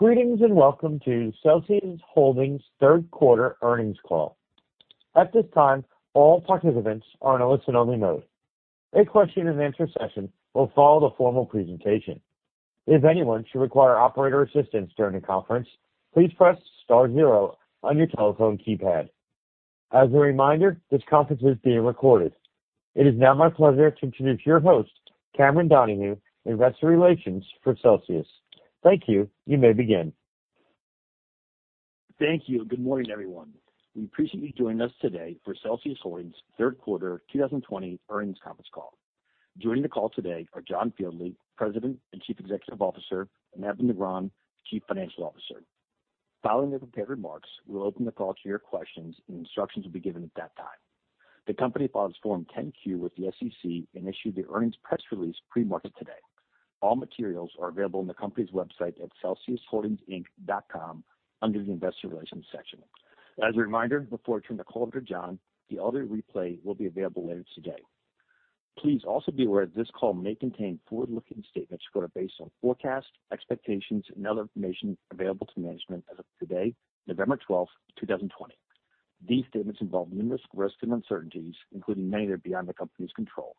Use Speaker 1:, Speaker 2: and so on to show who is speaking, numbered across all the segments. Speaker 1: Greetings, and welcome to Celsius Holdings third quarter earnings call. At this time, all participants are in a listen-only mode. A question and answer session will follow the formal presentation. If anyone should require operator assistance during the conference, please press star zero on your telephone keypad. As a reminder, this conference is being recorded. It is now my pleasure to introduce your host, Cameron Donahue, investor relations for Celsius. Thank you. You may begin.
Speaker 2: Thank you. Good morning, everyone. We appreciate you joining us today for Celsius Holdings third quarter 2020 earnings conference call. Joining the call today are John Fieldly, President and Chief Executive Officer, and Edwin Negron, Chief Financial Officer. Following their prepared remarks, we'll open the call to your questions, and instructions will be given at that time. The company filed its Form 10-Q with the SEC and issued the earnings press release pre-market today. All materials are available on the company's website at celsiusholdingsinc.com under the investor relations section. As a reminder, before I turn the call over to John, the audio replay will be available later today. Please also be aware this call may contain forward-looking statements which are based on forecasts, expectations, and other information available to management as of today, November 12th, 2020. These statements involve numerous risks and uncertainties, including many that are beyond the company's control.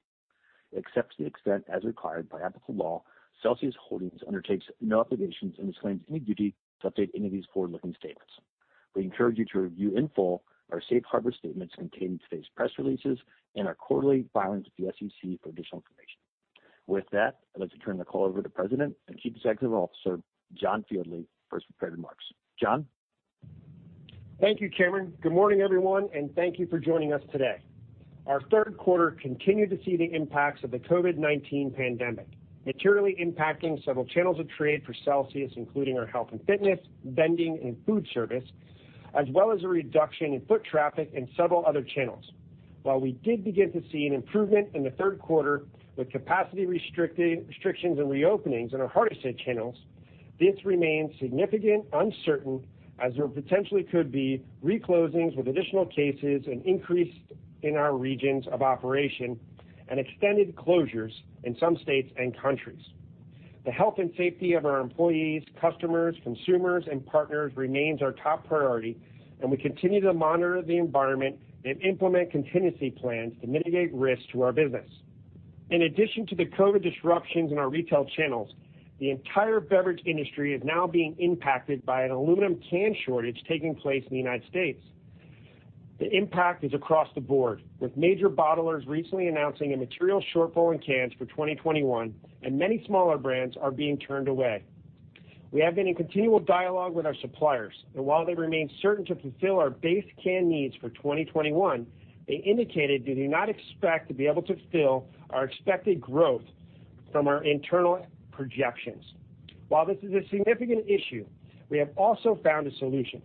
Speaker 2: Except to the extent as required by applicable law, Celsius Holdings undertakes no obligations and disclaims any duty to update any of these forward-looking statements. We encourage you to review in full our safe harbor statements contained in today's press releases and our quarterly filings with the SEC for additional information. With that, I'd like to turn the call over to President and Chief Executive Officer, John Fieldly, for his prepared remarks. John?
Speaker 3: Thank you, Cameron. Good morning, everyone, and thank you for joining us today. Our third quarter continued to see the impacts of the COVID-19 pandemic, materially impacting several channels of trade for Celsius, including our health and fitness, vending, and food service, as well as a reduction in foot traffic in several other channels. While we did begin to see an improvement in the third quarter with capacity restrictions and reopenings in our hardest hit channels, this remains significantly uncertain as there potentially could be re-closings with additional cases and increase in our regions of operation and extended closures in some states and countries. The health and safety of our employees, customers, consumers, and partners remains our top priority, and we continue to monitor the environment and implement contingency plans to mitigate risk to our business. In addition to the COVID-19 disruptions in our retail channels, the entire beverage industry is now being impacted by an aluminum can shortage taking place in the United States. The impact is across the board, with major bottlers recently announcing a material shortfall in cans for 2021 and many smaller brands are being turned away. We have been in continual dialogue with our suppliers, and while they remain certain to fulfill our base can needs for 2021, they indicated they do not expect to be able to fill our expected growth from our internal projections. While this is a significant issue, we have also found a solution.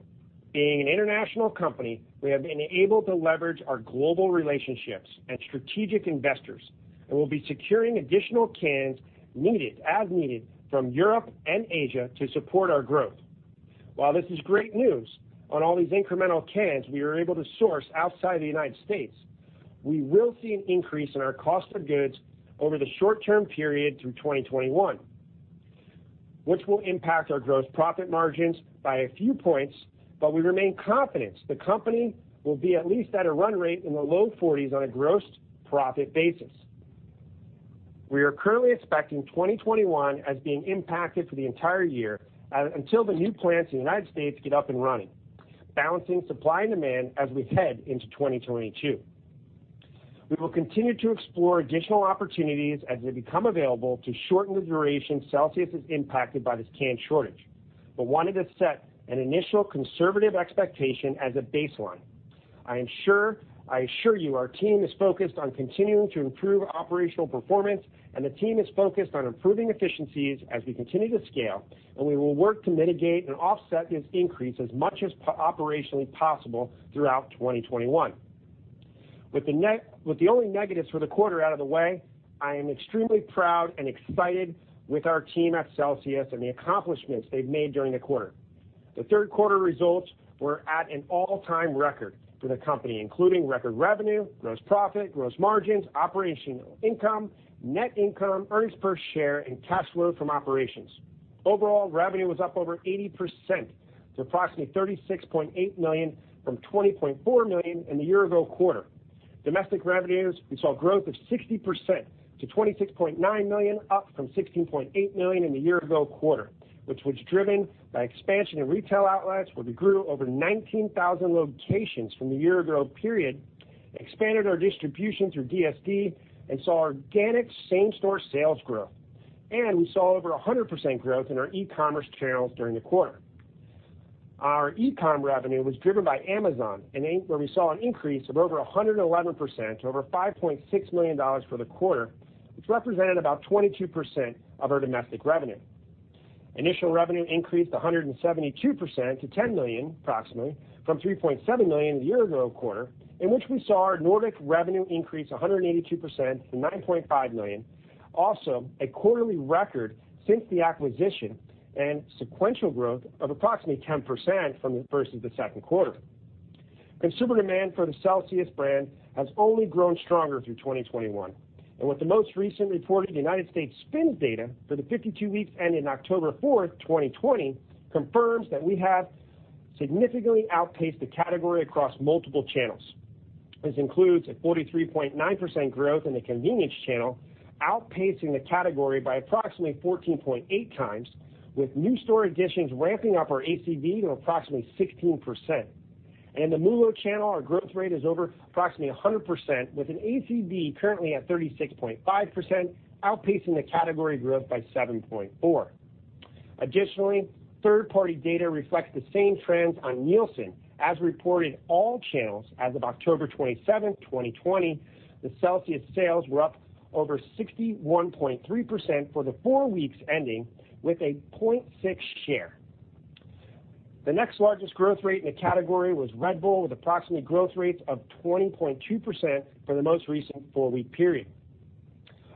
Speaker 3: Being an international company, we have been able to leverage our global relationships and strategic investors, and we'll be securing additional cans as needed from Europe and Asia to support our growth. While this is great news on all these incremental cans we were able to source outside the U.S., we will see an increase in our cost of goods over the short term period through 2021, which will impact our gross profit margins by a few points, but we remain confident the company will be at least at a run rate in the low 40s on a gross profit basis. We are currently expecting 2021 as being impacted for the entire year until the new plants in the U.S. get up and running, balancing supply and demand as we head into 2022. We will continue to explore additional opportunities as they become available to shorten the duration Celsius is impacted by this can shortage but wanted to set an initial conservative expectation as a baseline. I assure you our team is focused on continuing to improve operational performance, and the team is focused on improving efficiencies as we continue to scale, and we will work to mitigate and offset this increase as much as operationally possible throughout 2021. With the only negatives for the quarter out of the way, I am extremely proud and excited with our team at Celsius and the accomplishments they've made during the quarter. The third quarter results were at an all-time record for the company, including record revenue, gross profit, gross margins, operational income, net income, earnings per share, and cash flow from operations. Overall, revenue was up over 80% to approximately $36.8 million from $20.4 million in the year ago quarter. Domestic revenues, we saw growth of 60% to $26.9 million, up from $16.8 million in the year ago quarter, which was driven by expansion in retail outlets, where we grew over 19,000 locations from the year ago period, expanded our distribution through DSD, and saw organic same store sales growth. We saw over 100% growth in our e-commerce channels during the quarter. Our e-com revenue was driven by Amazon, where we saw an increase of over 111% to over $5.6 million for the quarter, which represented about 22% of our domestic revenue. Initial revenue increased 172% to $10 million approximately from $3.7 million the year ago quarter, in which we saw our Nordic revenue increase 182% to $9.5 million. A quarterly record since the acquisition and sequential growth of approximately 10% versus the second quarter. Consumer demand for the Celsius brand has only grown stronger through 2021, and with the most recent reported United States SPINS data for the 52 weeks ending October 4th, 2020 confirms that we have significantly outpaced the category across multiple channels. This includes a 43.9% growth in the convenience channel, outpacing the category by approximately 14.8 times, with new store additions ramping up our ACV to approximately 16%. In the MULO channel, our growth rate is over approximately 100%, with an ACV currently at 36.5%, outpacing the category growth by 7.4. Additionally, third party data reflects the same trends on Nielsen as reported all channels as of October 27th, 2020, the Celsius sales were up over 61.3% for the four weeks ending with a 0.6 share. The next largest growth rate in the category was Red Bull, with approximate growth rates of 20.2% for the most recent four-week period.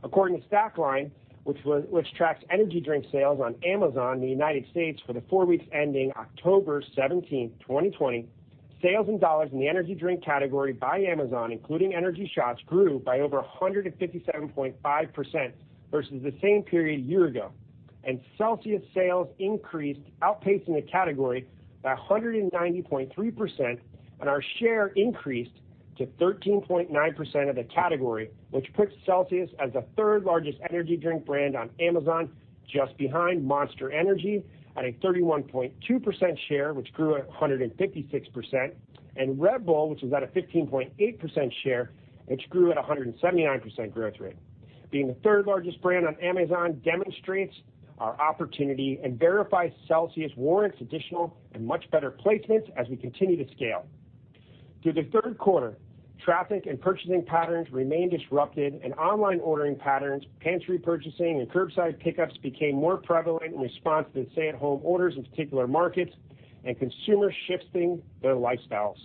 Speaker 3: According to Stackline, which tracks energy drink sales on Amazon in the U.S. for the four weeks ending October 17th, 2020, sales in dollars in the energy drink category by Amazon, including energy shots, grew by over 157.5% versus the same period a year ago. Celsius sales increased, outpacing the category by 190.3%, and our share increased to 13.9% of the category, which puts Celsius as the third largest energy drink brand on Amazon, just behind Monster Energy at a 31.2% share, which grew at 156%, and Red Bull, which was at a 15.8% share, which grew at 179% growth rate. Being the third largest brand on Amazon demonstrates our opportunity and verifies Celsius warrants additional and much better placements as we continue to scale. Through the third quarter, traffic and purchasing patterns remained disrupted and online ordering patterns, pantry purchasing, and curbside pickups became more prevalent in response to the stay-at-home orders in particular markets and consumers shifting their lifestyles.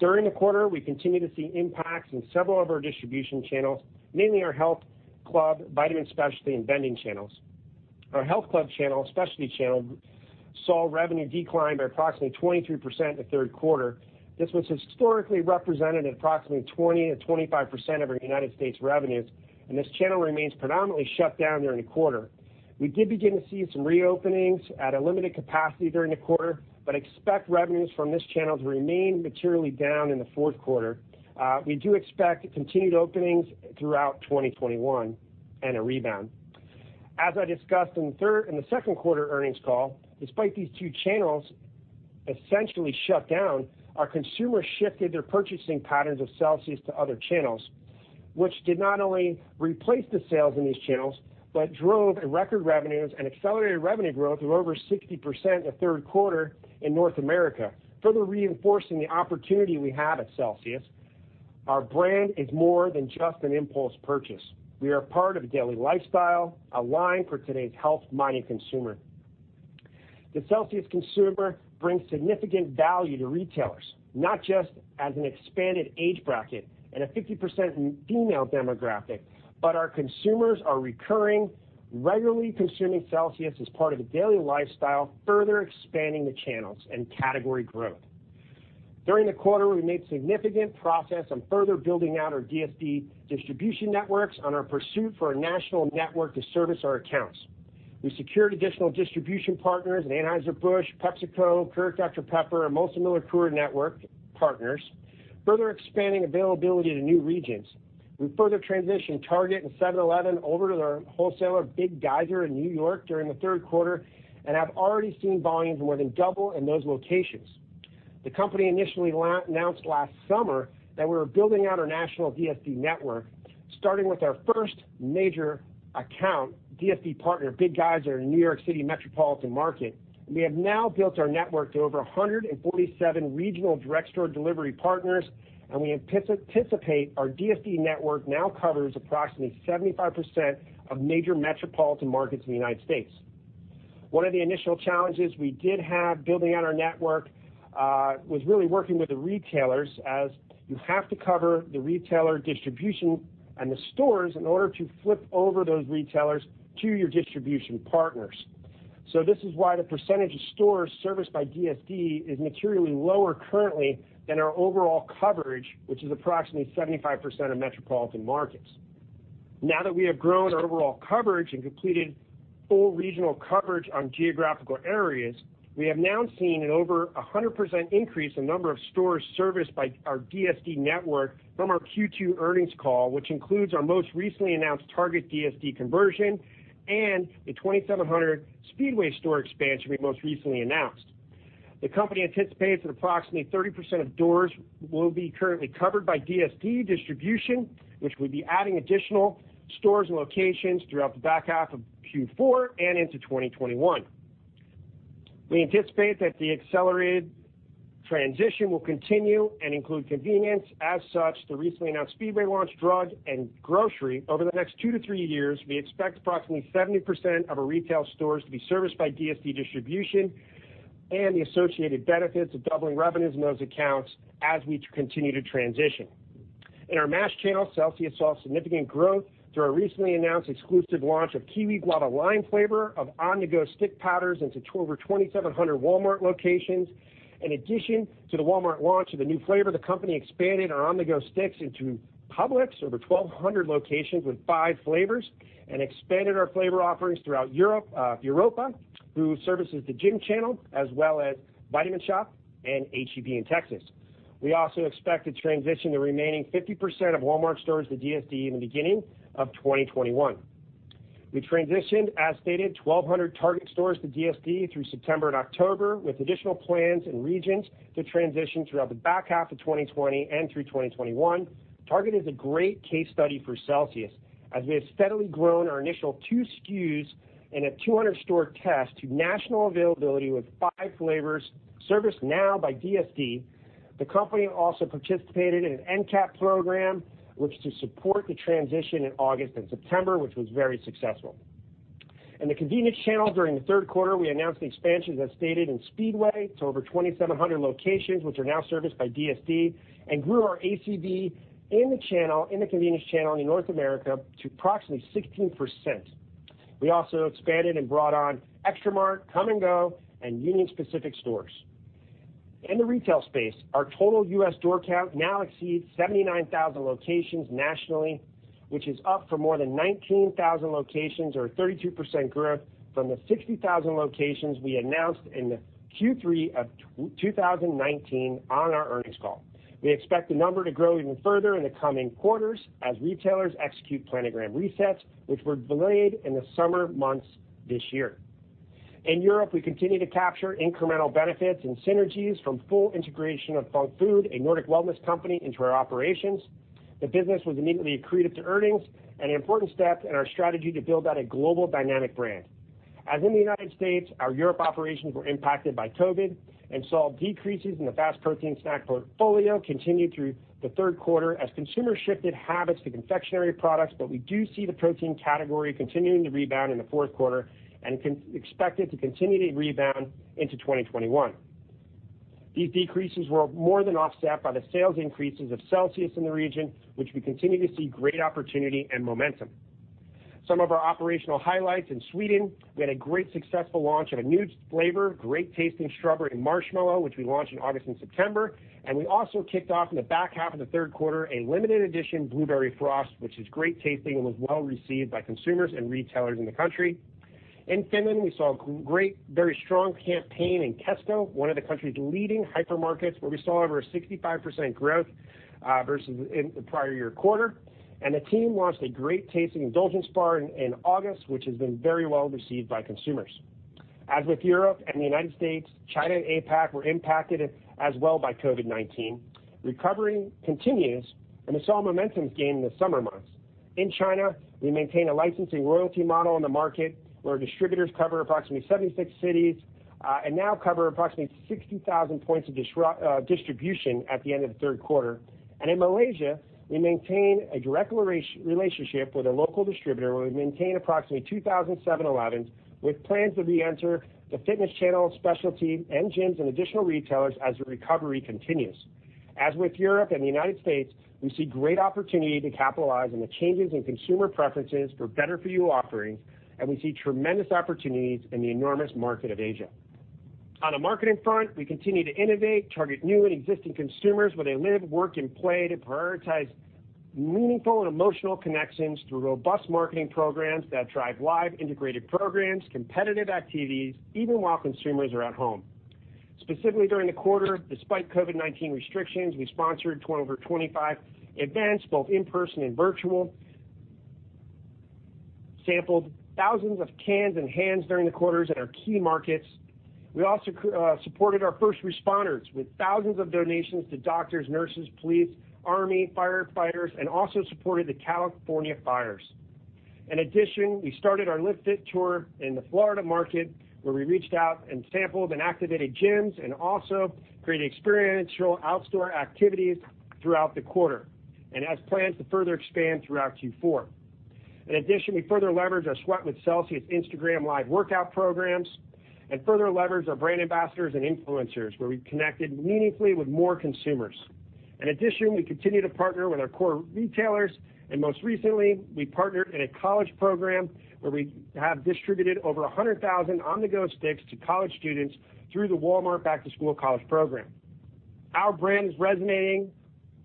Speaker 3: During the quarter, we continue to see impacts in several of our distribution channels, mainly our health club, vitamin specialty, and vending channels. Our health club channel, specialty channel, saw revenue decline by approximately 23% in the third quarter. This once historically represented approximately 20%-25% of our United States revenues, and this channel remains predominantly shut down during the quarter. We did begin to see some reopenings at a limited capacity during the quarter, but expect revenues from this channel to remain materially down in the fourth quarter. We do expect continued openings throughout 2021 and a rebound. As I discussed in the second quarter earnings call, despite these two channels essentially shut down, our consumers shifted their purchasing patterns of Celsius to other channels, which did not only replace the sales in these channels, but drove record revenues and accelerated revenue growth of over 60% in the third quarter in North America, further reinforcing the opportunity we have at Celsius. Our brand is more than just an impulse purchase. We are part of a daily lifestyle aligned for today's health-minded consumer. The Celsius consumer brings significant value to retailers, not just as an expanded age bracket and a 50% female demographic, but our consumers are recurring, regularly consuming Celsius as part of a daily lifestyle, further expanding the channels and category growth. During the quarter, we made significant progress on further building out our DSD distribution networks on our pursuit for a national network to service our accounts. We secured additional distribution partners in Anheuser-Busch, PepsiCo, Keurig Dr Pepper, and Molson Coors network partners, further expanding availability to new regions. We further transitioned Target and 7-Eleven over to their wholesaler, Big Geyser in New York during the third quarter and have already seen volumes more than double in those locations. The company initially announced last summer that we were building out our national DSD network, starting with our first major account DSD partner, Big Geyser in New York City metropolitan market. We have now built our network to over 147 regional direct store delivery partners, and we anticipate our DSD network now covers approximately 75% of major metropolitan markets in the United States. One of the initial challenges we did have building out our network was really working with the retailers as you have to cover the retailer distribution and the stores in order to flip over those retailers to your distribution partners. This is why the % of stores serviced by DSD is materially lower currently than our overall coverage, which is approximately 75% of metropolitan markets. Now that we have grown our overall coverage and completed full regional coverage on geographical areas, we have now seen an over 100% increase in number of stores serviced by our DSD network from our Q2 earnings call, which includes our most recently announced Target DSD conversion and the 2,700 Speedway store expansion we most recently announced. The company anticipates that approximately 30% of doors will be currently covered by DSD distribution, which will be adding additional stores and locations throughout the back half of Q4 and into 2021. We anticipate that the accelerated transition will continue and include convenience. As such, the recently announced Speedway launch, drug, and grocery over the next two to three years, we expect approximately 70% of our retail stores to be serviced by DSD distribution and the associated benefits of doubling revenues in those accounts as we continue to transition. In our mass channel, Celsius saw significant growth through our recently announced exclusive launch of Kiwi Guava Lime flavor of On-the-Go stick powders into over 2,700 Walmart locations. In addition to the Walmart launch of the new flavor, the company expanded our On-the-Go sticks into Publix, over 1,200 locations with five flavors, and expanded our flavor offerings throughout Europa Sports Partners, through services to gym channel, as well as Vitamin Shoppe and H-E-B in Texas. We also expect to transition the remaining 50% of Walmart stores to DSD in the beginning of 2021. We transitioned, as stated, 1,200 Target stores to DSD through September and October, with additional plans and regions to transition throughout the back half of 2020 and through 2021. Target is a great case study for Celsius, as we have steadily grown our initial two SKUs in a 200 store test to national availability with five flavors serviced now by DSD. The company also participated in an endcap program, which to support the transition in August and September, which was very successful. In the convenience channel during the third quarter, we announced the expansions, as stated, in Speedway to over 2,700 locations, which are now serviced by DSD, and grew our ACV in the convenience channel in North America to approximately 16%. We also expanded and brought on Xtra Mart, Kum & Go, and United Pacific stores. In the retail space, our total U.S. door count now exceeds 79,000 locations nationally, which is up for more than 19,000 locations or 32% growth from the 16,000 locations we announced in the Q3 of 2019 on our earnings call. We expect the number to grow even further in the coming quarters as retailers execute planogram resets, which were delayed in the summer months this year. In Europe, we continue to capture incremental benefits and synergies from full integration of Func Food, a Nordic wellness company, into our operations. The business was immediately accretive to earnings, an important step in our strategy to build out a global dynamic brand. As in the United States, our Europe operations were impacted by COVID and saw decreases in the FAST protein snack portfolio continue through the third quarter as consumer shifted habits to confectionery products, but we do see the protein category continuing to rebound in the fourth quarter and expect it to continue to rebound into 2021. These decreases were more than offset by the sales increases of Celsius in the region, which we continue to see great opportunity and momentum. Some of our operational highlights in Sweden, we had a great successful launch of a new flavor, great tasting strawberry and marshmallow, which we launched in August and September. We also kicked off in the back half of the third quarter a limited edition Blueberry Frost, which is great tasting and was well received by consumers and retailers in the country. In Finland, we saw a great, very strong campaign in Kesko, one of the country's leading hypermarkets, where we saw over a 65% growth versus in the prior year quarter. The team launched a great tasting indulgence bar in August, which has been very well received by consumers. As with Europe and the U.S., China and APAC were impacted as well by COVID-19. Recovery continues. We saw momentum gained in the summer months. In China, we maintain a licensing royalty model in the market where distributors cover approximately 76 cities and now cover approximately 60,000 points of distribution at the end of the third quarter. In Malaysia, we maintain a direct relationship with a local distributor where we maintain approximately 2,000 7-Elevens with plans to reenter the fitness channel, specialty and gyms, and additional retailers as the recovery continues. As with Europe and the United States, we see great opportunity to capitalize on the changes in consumer preferences for better-for-you offerings, and we see tremendous opportunities in the enormous market of Asia. On a marketing front, we continue to innovate, target new and existing consumers where they live, work, and play to prioritize meaningful and emotional connections through robust marketing programs that drive live integrated programs, competitive activities, even while consumers are at home. Specifically during the quarter, despite COVID-19 restrictions, we sponsored over 25 events, both in person and virtual, sampled thousands of cans and hands during the quarters at our key markets. We also supported our first responders with thousands of donations to doctors, nurses, police, army, firefighters, and also supported the California fires. We started our Live Fit Tour in the Florida market, where we reached out and sampled and activated gyms and also created experiential outstore activities throughout the quarter and has plans to further expand throughout Q4. We further leveraged our Sweat with Celsius Instagram Live workout programs and further leveraged our brand ambassadors and influencers, where we connected meaningfully with more consumers. We continue to partner with our core retailers, and most recently, we partnered in a college program where we have distributed over 100,000 On-the-Go sticks to college students through the Walmart Back to School College Program. Our brand is resonating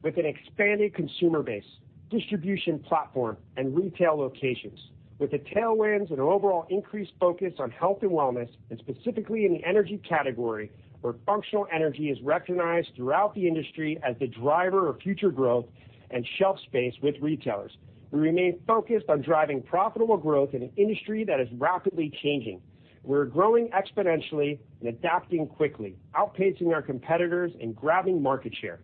Speaker 3: with an expanded consumer base, distribution platform, and retail locations. With the tailwinds and an overall increased focus on health and wellness, and specifically in the energy category, where functional energy is recognized throughout the industry as the driver of future growth and shelf space with retailers. We remain focused on driving profitable growth in an industry that is rapidly changing. We're growing exponentially and adapting quickly, outpacing our competitors and grabbing market share.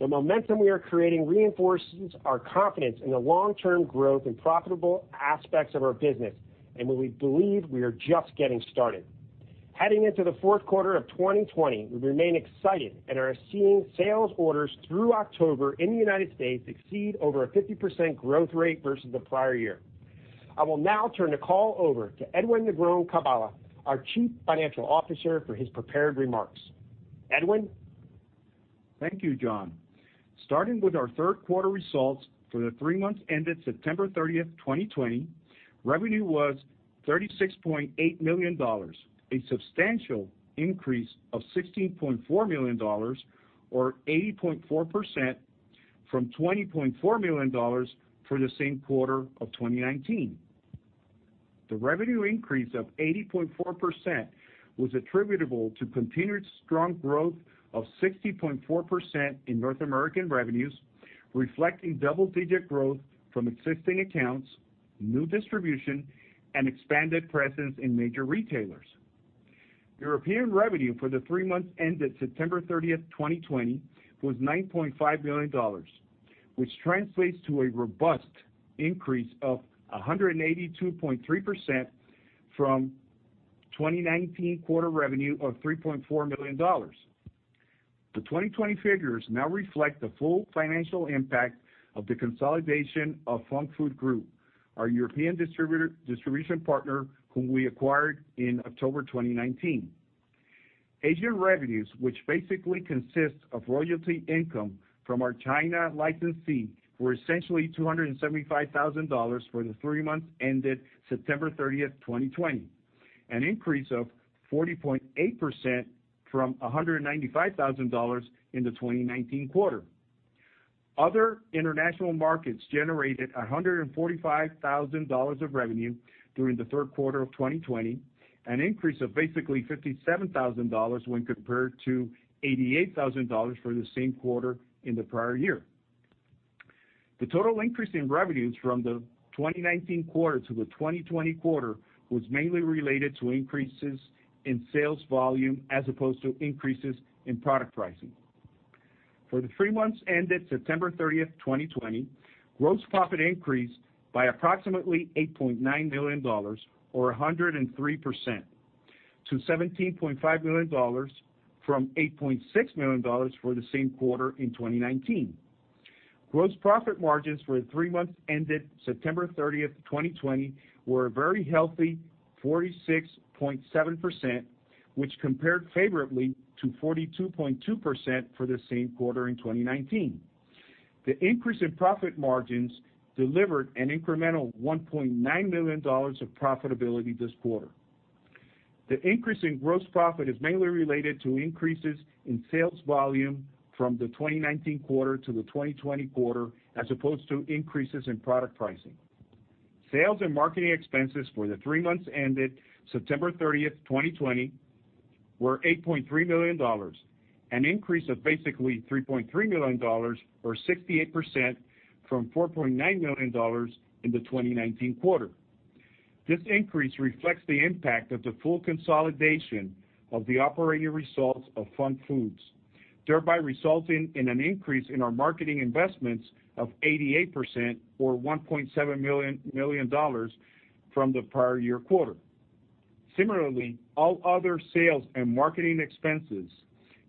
Speaker 3: The momentum we are creating reinforces our confidence in the long-term growth and profitable aspects of our business, and we believe we are just getting started. Heading into the fourth quarter of 2020, we remain excited and are seeing sales orders through October in the United States exceed over a 50% growth rate versus the prior year. I will now turn the call over to Edwin Negron-Cabala, our Chief Financial Officer, for his prepared remarks. Edwin?
Speaker 4: Thank you, John. Starting with our third quarter results for the three months ended September 30th, 2020, revenue was $36.8 million, a substantial increase of $16.4 million, or 80.4%, from $20.4 million for the same quarter of 2019. The revenue increase of 80.4% was attributable to continued strong growth of 60.4% in North American revenues, reflecting double-digit growth from existing accounts, new distribution, and expanded presence in major retailers. European revenue for the three months ended September 30th, 2020 was $9.5 million, which translates to a robust increase of 182.3% from 2019 quarter revenue of $3.4 million. The 2020 figures now reflect the full financial impact of the consolidation of Func Food Group, our European distribution partner, whom we acquired in October 2019. Asian revenues, which basically consist of royalty income from our China licensee, were essentially $275,000 for the three months ended September 30th, 2020, an increase of 40.8% from $195,000 in the 2019 quarter. Other international markets generated $145,000 of revenue during the third quarter of 2020, an increase of basically $57,000 when compared to $88,000 for the same quarter in the prior year. The total increase in revenues from the 2019 quarter to the 2020 quarter was mainly related to increases in sales volume as opposed to increases in product pricing. For the three months ended September 30th, 2020, gross profit increased by approximately $8.9 million, or 103%, to $17.5 million from $8.6 million for the same quarter in 2019. Gross profit margins for the three months ended September 30th, 2020 were a very healthy 46.7%, which compared favorably to 42.2% for the same quarter in 2019. The increase in profit margins delivered an incremental $1.9 million of profitability this quarter. The increase in gross profit is mainly related to increases in sales volume from the 2019 quarter to the 2020 quarter, as opposed to increases in product pricing. Sales and marketing expenses for the three months ended September 30, 2020 were $8.3 million, an increase of basically $3.3 million or 68% from $4.9 million in the 2019 quarter. This increase reflects the impact of the full consolidation of the operating results of Func Food, thereby resulting in an increase in our marketing investments of 88%, or $1.7 million from the prior year quarter. Similarly, all other sales and marketing expenses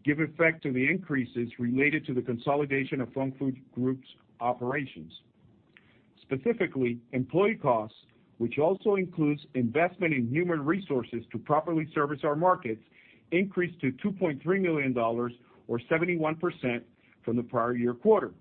Speaker 4: give effect to the increases related to the consolidation of Func Food Group's operations. Specifically, employee costs, which also includes investment in human resources to properly service our markets, increased to $2.3 million, or 71%, from the prior year quarter.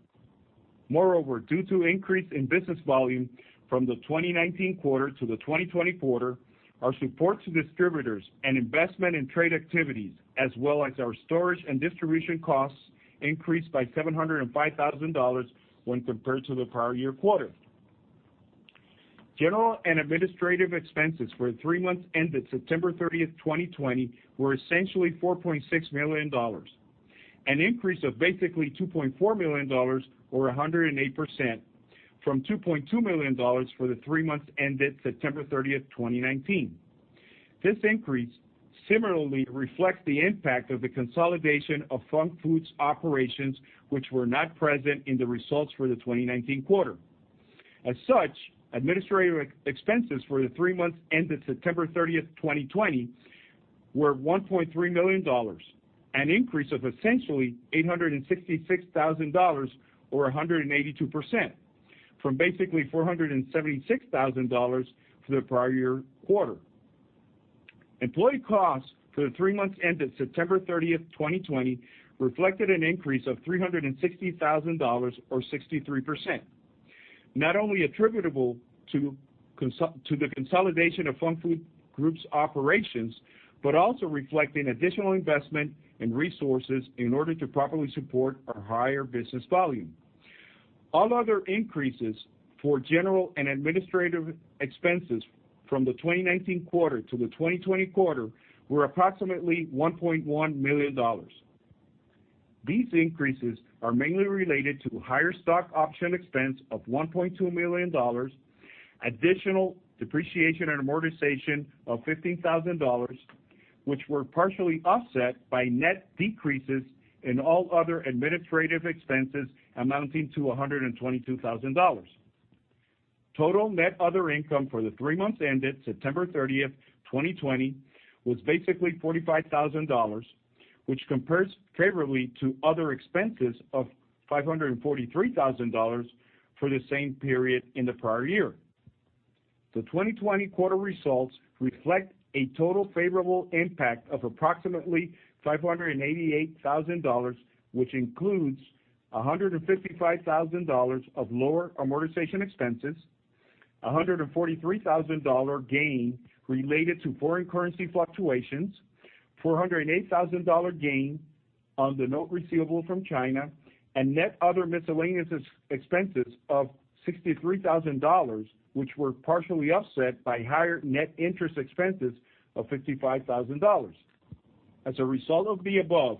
Speaker 4: Due to increase in business volume from the 2019 quarter to the 2020 quarter, our support to distributors and investment in trade activities, as well as our storage and distribution costs, increased by $705,000 when compared to the prior year quarter. General and administrative expenses for the three months ended September 30th, 2020 were essentially $4.6 million, an increase of basically $2.4 million, or 108%, from $2.2 million for the three months ended September 30th, 2019. This increase similarly reflects the impact of the consolidation of Func Food operations, which were not present in the results for the 2019 quarter. As such, administrative expenses for the three months ended September 30, 2020 were $1.3 million, an increase of $866,000, or 182%, from $476,000 for the prior year quarter. Employee costs for the three months ended September 30, 2020 reflected an increase of $360,000, or 63%, not only attributable to the consolidation of Func Food Group's operations, but also reflecting additional investment in resources in order to properly support our higher business volume. All other increases for general and administrative expenses from the 2019 quarter to the 2020 quarter were approximately $1.1 million. These increases are mainly related to higher stock option expense of $1.2 million, additional depreciation and amortization of $15,000, which were partially offset by net decreases in all other administrative expenses amounting to $122,000. Total net other income for the three months ended September 30th, 2020 was basically $45,000, which compares favorably to other expenses of $543,000 for the same period in the prior year. The 2020 quarter results reflect a total favorable impact of approximately $588,000, which includes $155,000 of lower amortization expenses, $143,000 gain related to foreign currency fluctuations, $408,000 gain on the note receivable from China, and net other miscellaneous expenses of $63,000, which were partially offset by higher net interest expenses of $55,000. As a result of the above,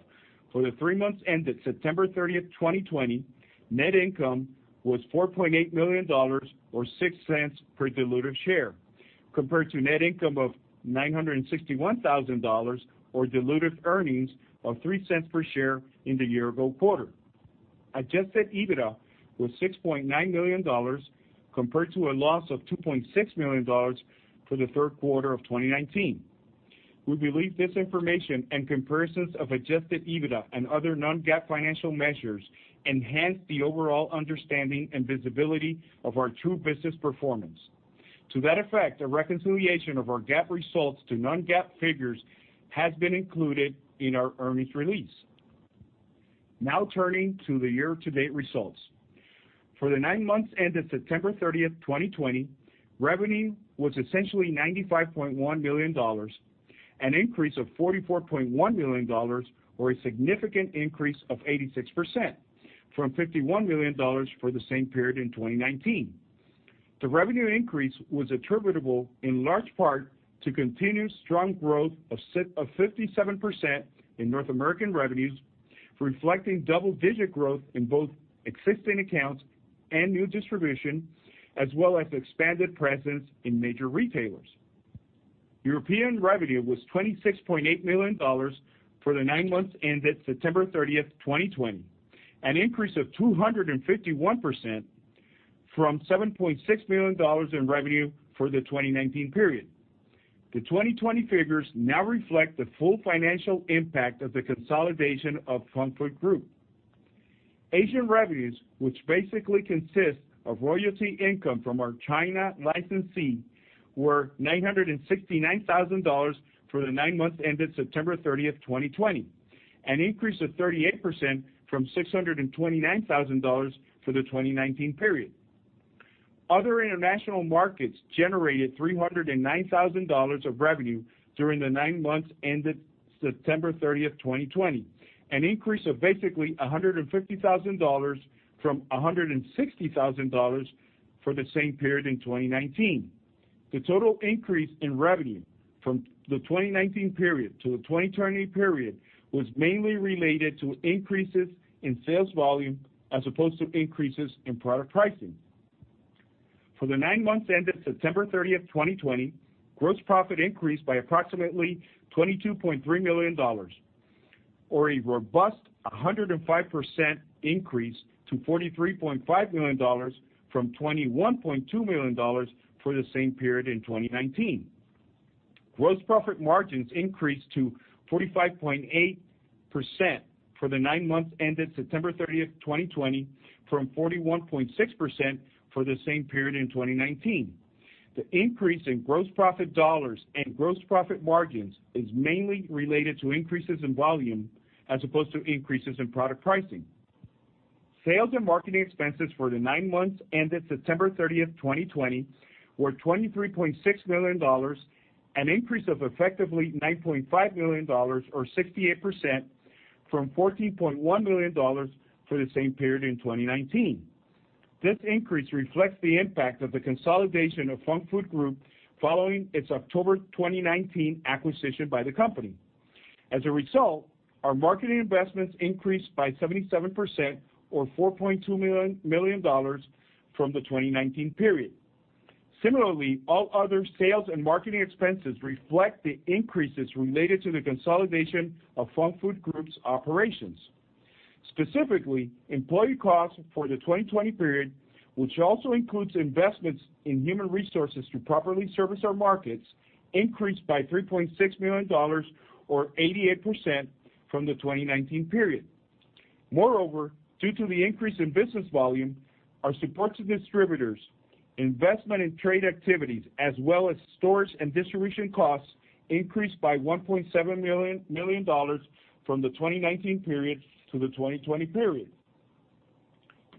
Speaker 4: for the three months ended September 30th, 2020, net income was $4.8 million, or $0.06 per diluted share, compared to net income of $961,000 or diluted earnings of $0.03 per share in the year ago quarter. Adjusted EBITDA was $6.9 million, compared to a loss of $2.6 million for the third quarter of 2019. We believe this information and comparisons of Adjusted EBITDA and other non-GAAP financial measures enhance the overall understanding and visibility of our true business performance. To that effect, a reconciliation of our GAAP results to non-GAAP figures has been included in our earnings release. Now turning to the year-to-date results. For the nine months ended September 30th, 2020, revenue was essentially $95.1 million, an increase of $44.1 million, or a significant increase of 86% from $51 million for the same period in 2019. The revenue increase was attributable in large part to continued strong growth of 57% in North American revenues, reflecting double-digit growth in both existing accounts and new distribution, as well as expanded presence in major retailers. European revenue was $26.8 million for the nine months ended September 30th, 2020, an increase of 251% from $7.6 million in revenue for the 2019 period. The 2020 figures now reflect the full financial impact of the consolidation of Func Food Group. Asian revenues, which basically consist of royalty income from our China licensee, were $969,000 for the nine months ended September 30, 2020, an increase of 38% from $629,000 for the 2019 period. Other international markets generated $309,000 of revenue during the nine months ended September 30, 2020, an increase of basically $150,000 from $160,000 for the same period in 2019. The total increase in revenue from the 2019 period to the 2020 period was mainly related to increases in sales volume as opposed to increases in product pricing. For the nine months ended September 30, 2020, gross profit increased by approximately $22.3 million, or a robust 105% increase to $43.5 million from $21.2 million for the same period in 2019. Gross profit margins increased to 45.8% for the nine months ended September 30th, 2020, from 41.6% for the same period in 2019. The increase in gross profit dollars and gross profit margins is mainly related to increases in volume as opposed to increases in product pricing. Sales and marketing expenses for the nine months ended September 30th, 2020 were $23.6 million, an increase of effectively $9.5 million, or 68%, from $14.1 million for the same period in 2019. This increase reflects the impact of the consolidation of Func Food Group following its October 2019 acquisition by the company. As a result, our marketing investments increased by 77%, or $4.2 million, from the 2019 period. Similarly, all other sales and marketing expenses reflect the increases related to the consolidation of Func Food Group's operations. Specifically, employee costs for the 2020 period, which also includes investments in human resources to properly service our markets, increased by $3.6 million, or 88%, from the 2019 period. Moreover, due to the increase in business volume, our support to distributors, investment in trade activities, as well as storage and distribution costs increased by $1.7 million from the 2019 period to the 2020 period.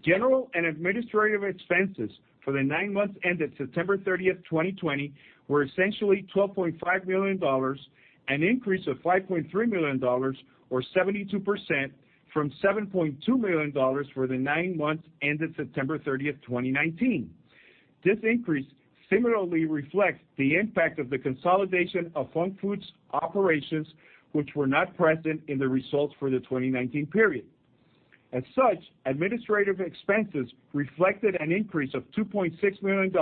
Speaker 4: General and administrative expenses for the nine months ended September 30th, 2020 were essentially $12.5 million, an increase of $5.3 million or 72%, from $7.2 million for the nine months ended September 30th, 2019. This increase similarly reflects the impact of the consolidation of Func Food's operations, which were not present in the results for the 2019 period. As such, administrative expenses reflected an increase of $2.6 million,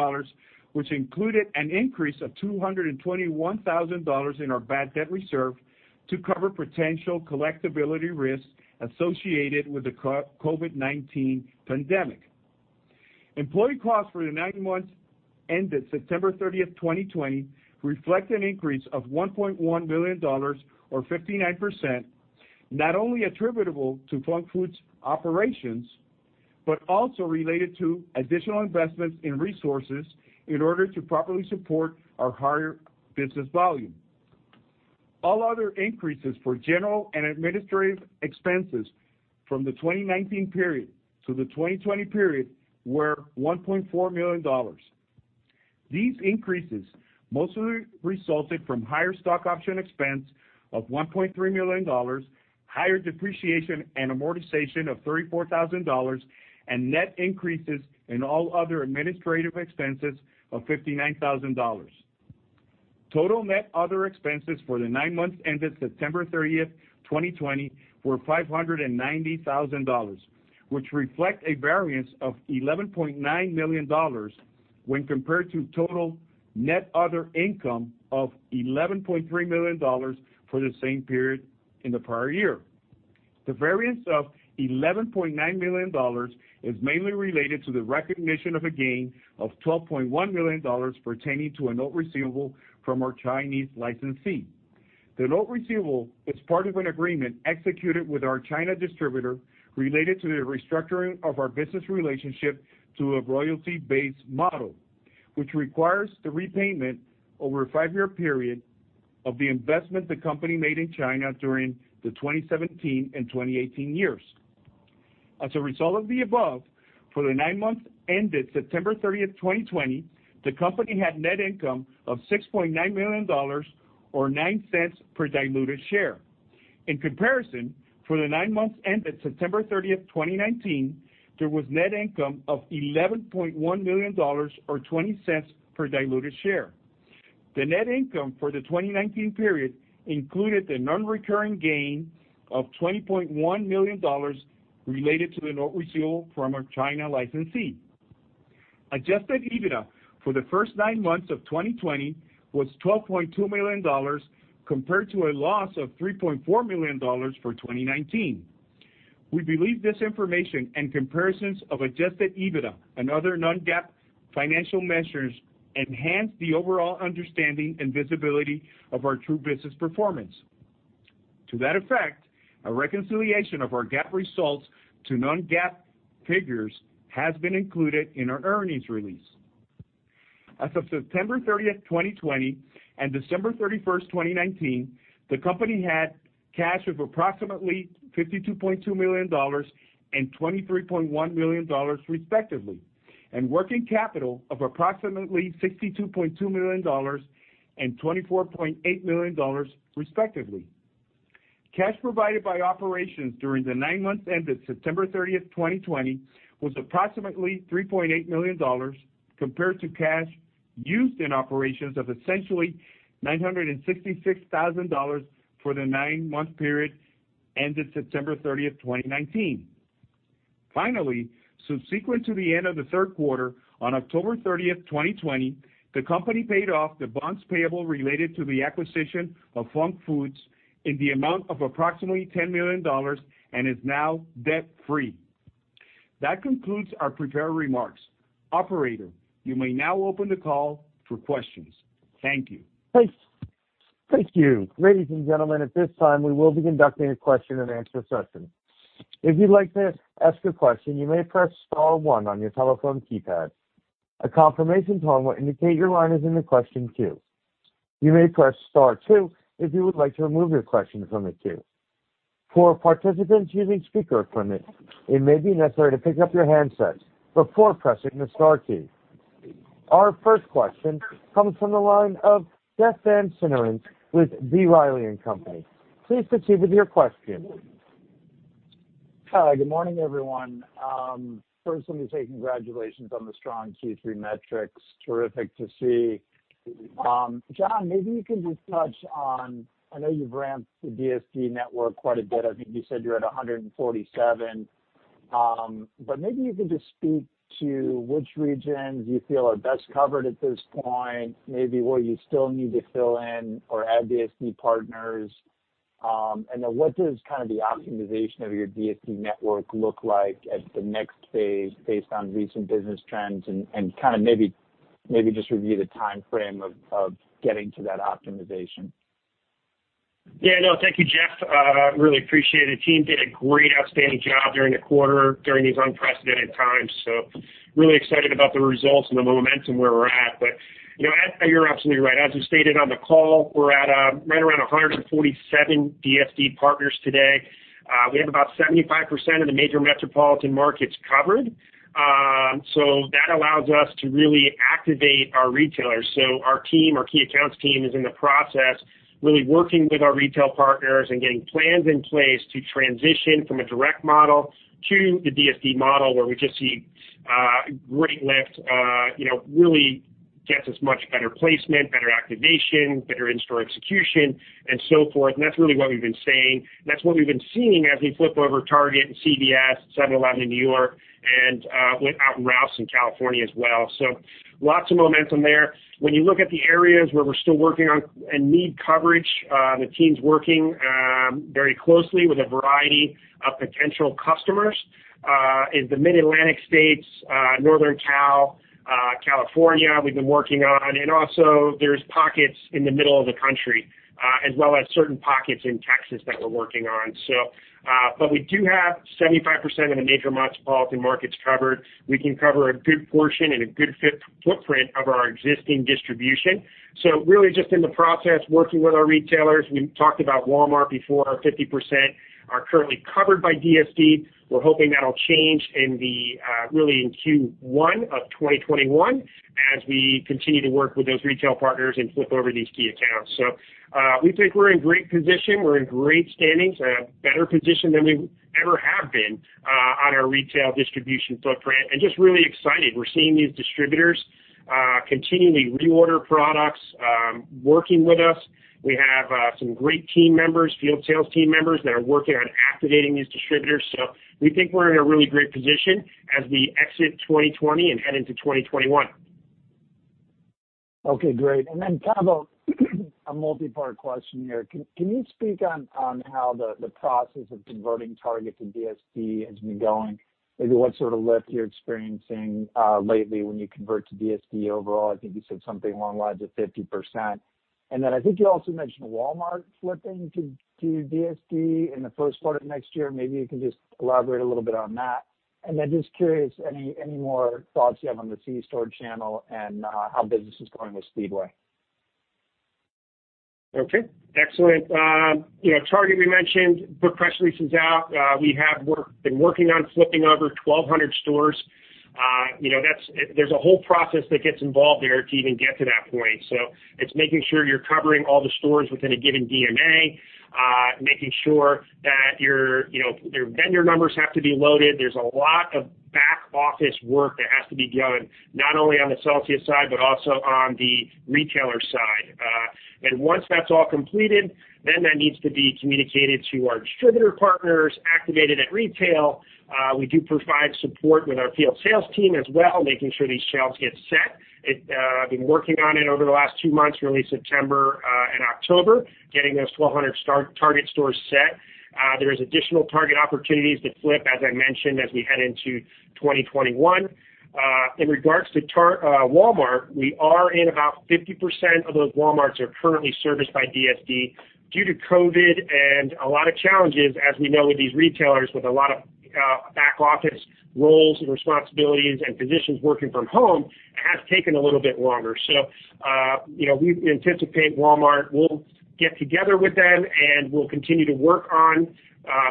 Speaker 4: which included an increase of $221,000 in our bad debt reserve to cover potential collectibility risks associated with the COVID-19 pandemic. Employee costs for the nine months ended September 30th, 2020, reflect an increase of $1.1 million, or 59%, not only attributable to Func Food operations, but also related to additional investments in resources in order to properly support our higher business volume. All other increases for general and administrative expenses from the 2019 period to the 2020 period were $1.4 million. These increases mostly resulted from higher stock option expense of $1.3 million, higher depreciation and amortization of $34,000, and net increases in all other administrative expenses of $59,000. Total net other expenses for the nine months ended September 30th, 2020, were $590,000, which reflect a variance of $11.9 million when compared to total net other income of $11.3 million for the same period in the prior year. The variance of $11.9 million is mainly related to the recognition of a gain of $12.1 million pertaining to a note receivable from our Chinese licensee. The note receivable is part of an agreement executed with our China distributor related to the restructuring of our business relationship to a royalty-based model, which requires the repayment over a five-year period of the investment the company made in China during the 2017 and 2018 years. As a result of the above, for the nine months ended September 30th, 2020, the company had net income of $6.9 million, or $0.09 per diluted share. In comparison, for the nine months ended September 30th, 2019, there was net income of $11.1 million, or $0.20 per diluted share. The net income for the 2019 period included the non-recurring gain of $20.1 million related to the note receivable from our China licensee. Adjusted EBITDA for the first nine months of 2020 was $12.2 million, compared to a loss of $3.4 million for 2019. We believe this information and comparisons of Adjusted EBITDA and other non-GAAP financial measures enhance the overall understanding and visibility of our true business performance. To that effect, a reconciliation of our GAAP results to non-GAAP figures has been included in our earnings release. As of September 30th, 2020, and December 31st, 2019, the company had cash of approximately $52.2 million and $23.1 million respectively, and working capital of approximately $62.2 million and $24.8 million respectively. Cash provided by operations during the nine months ended September 30th, 2020, was approximately $3.8 million, compared to cash used in operations of essentially $966,000 for the nine-month period ended September 30th, 2019. Finally, subsequent to the end of the third quarter, on October 30th, 2020, the company paid off the bonds payable related to the acquisition of Func Food in the amount of approximately $10 million and is now debt-free. That concludes our prepared remarks. Operator, you may now open the call for questions. Thank you.
Speaker 1: Thank you. Ladies and gentlemen, at this time, we will be conducting a question-and-answer session. If you'd like to ask a question, you may press star one on your telephone keypad. A confirmation tone will indicate your line is in the question queue. You may press star two if you would like to remove your question from the queue. For participants using speaker equipment, it may be necessary to pick up your handset before pressing the star key. Our first question comes from the line of Jeff Van Sinderen with B. Riley & Company. Please proceed with your question.
Speaker 5: Hi, good morning, everyone. First, let me say congratulations on the strong Q3 metrics. Terrific to see. John, maybe you can just touch on, I know you've ramped the DSD network quite a bit. I think you said you're at 147. Maybe you can just speak to which regions you feel are best covered at this point, maybe where you still need to fill in or add DSD partners. What does kind of the optimization of your DSD network look like at the next phase based on recent business trends, and kind of maybe just review the timeframe of getting to that optimization.
Speaker 3: Yeah, no, thank you, Jeff. Really appreciate it. Team did a great, outstanding job during the quarter during these unprecedented times. Really excited about the results and the momentum where we're at. You're absolutely right. As we stated on the call, we're at right around 147 DSD partners today. We have about 75% of the major metropolitan markets covered. That allows us to really activate our retailers. Our team, our key accounts team, is in the process, really working with our retail partners and getting plans in place to transition from a direct model to the DSD model where we just see great lift. It really gets us much better placement, better activation, better in-store execution, and so forth. That's really what we've been saying, and that's what we've been seeing as we flip over Target and CVS, 7-Eleven in New York, and went out in Ralphs in California as well. Lots of momentum there. When you look at the areas where we're still working on and need coverage, the team's working very closely with a variety of potential customers. Is the Mid-Atlantic states, Northern California we've been working on, and also there's pockets in the middle of the country, as well as certain pockets in Texas that we're working on. We do have 75% of the major metropolitan markets covered. We can cover a good portion and a good footprint of our existing distribution. Really just in the process, working with our retailers. We talked about Walmart before, 50% are currently covered by DSD. We're hoping that'll change really in Q1 of 2021 as we continue to work with those retail partners and flip over these key accounts. We think we're in great position. We're in great standings, a better position than we ever have been on our retail distribution footprint and just really excited. We're seeing these distributors continually reorder products, working with us. We have some great field sales team members that are working on activating these distributors. We think we're in a really great position as we exit 2020 and head into 2021.
Speaker 5: Okay, great. Kind of a multi-part question here. Can you speak on how the process of converting Target to DSD has been going? Maybe what sort of lift you're experiencing lately when you convert to DSD overall? I think you said something along the lines of 50%. I think you also mentioned Walmart flipping to DSD in the first part of next year. Maybe you can just elaborate a little bit on that. Just curious, any more thoughts you have on the C store channel and how business is going with Speedway?
Speaker 3: Okay, excellent. Target we mentioned, the press release is out. We have been working on flipping over 1,200 stores. There's a whole process that gets involved there to even get to that point. It's making sure you're covering all the stores within a given DMA, making sure that your vendor numbers have to be loaded. There's a lot of back office work that has to be done, not only on the Celsius side, but also on the retailer side. Once that's all completed, then that needs to be communicated to our distributor partners, activated at retail. We do provide support with our field sales team as well, making sure these shelves get set. I've been working on it over the last two months, really September and October, getting those 1,200 Target stores set. There's additional Target opportunities to flip, as I mentioned, as we head into 2021. In regards to Walmart, we are in about 50% of those Walmarts are currently serviced by DSD. Due to COVID and a lot of challenges, as we know, with these retailers, with a lot of back office roles and responsibilities and positions working from home, it has taken a little bit longer. We anticipate Walmart. We'll get together with them, and we'll continue to work on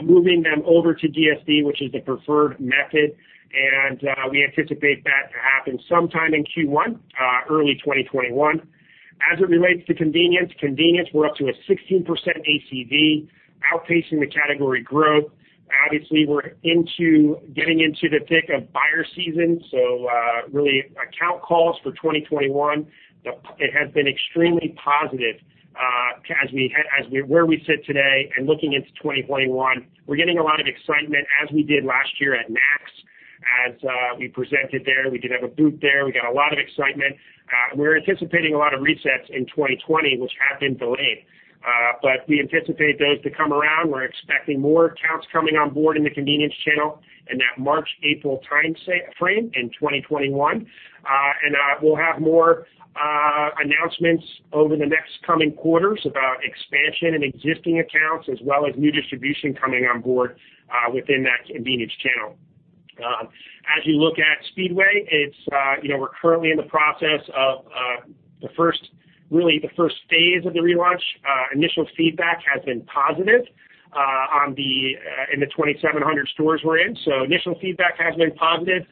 Speaker 3: moving them over to DSD, which is the preferred method, and we anticipate that to happen sometime in Q1, early 2021. As it relates to convenience, we're up to a 16% ACV, outpacing the category growth. Obviously, we're getting into the thick of buyer season. Really account calls for 2021 has been extremely positive. Where we sit today and looking into 2021, we're getting a lot of excitement as we did last year at NACS, as we presented there. We did have a booth there. We got a lot of excitement. We're anticipating a lot of resets in 2020, which have been delayed. We anticipate those to come around. We're expecting more accounts coming on board in the convenience channel in that March-April timeframe in 2021. We'll have more announcements over the next coming quarters about expansion and existing accounts, as well as new distribution coming on board within that convenience channel. As you look at Speedway, we're currently in the process of really the first phase of the relaunch. Initial feedback has been positive in the 2,700 stores we're in. Initial feedback has been positive.